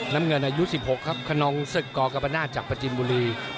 น้ำเงินอายุ๑๖ครับคนนองศึกกกรรมนาศจากประจินบุรี